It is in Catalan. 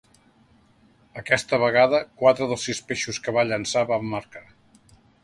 Aquesta vegada, quatre dels sis peixos que va llançar van marcar.